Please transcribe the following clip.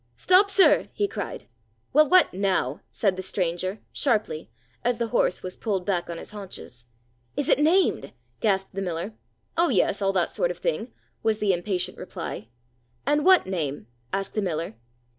"Stop, sir!" he cried. "Well, what now?" said the stranger, sharply, as the horse was pulled back on his haunches. "Is it named?" gasped the miller. "Oh, yes, all that sort of thing," was the impatient reply. "And what name?" asked the miller.